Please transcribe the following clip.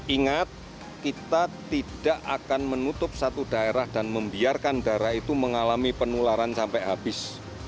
ingat kita tidak akan menutup satu daerah dan membiarkan daerah itu mengalami penularan sampai habis